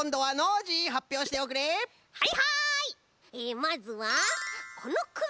まずはこのくも。